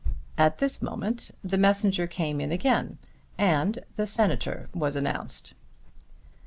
At this moment the messenger came in again and the Senator was announced.